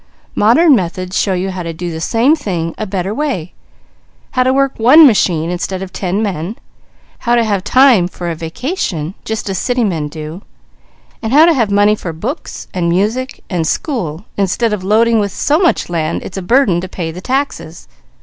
Modern methods show you how to do the same thing a better way, how to work one machine instead of ten men, how to have time for a vacation, just as city men do, and how to have money for books, and music, and school, instead of loading with so much land it's a burden to pay the taxes.